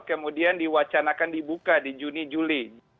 kemudian diwacanakan dibuka di juni juli